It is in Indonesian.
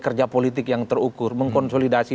kerja politik yang terukur mengkonsolidasi